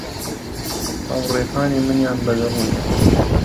هاوڕێکانی منیان بە دڵ نییە.